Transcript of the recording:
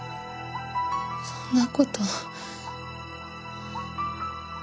そんなこと。